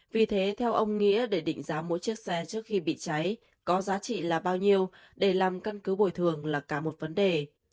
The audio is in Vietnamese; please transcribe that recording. vì thế theo ông nghĩa để định giá mỗi chiếc xe trước khi bị cháy có giá trị là bao nhiêu để làm căn cứ bồi thường là cả một vấn đề